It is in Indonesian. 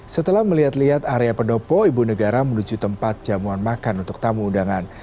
setelah melihat lihat area pendopo ibu negara menuju tempat jamuan makan untuk tamu undangan